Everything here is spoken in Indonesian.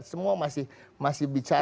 semua masih bicara soal